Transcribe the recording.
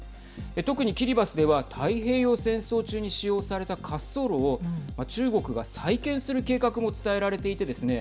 特にキリバスでは太平洋戦争中に使用された滑走路を中国が再建する計画も伝えられていてですね